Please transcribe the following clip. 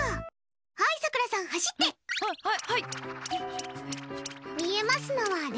はい、さくらさん走って！は、はい！